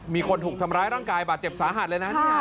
มีคนถูกทำร้ายร่างกายบาดเจ็บสาหัสเลยนะ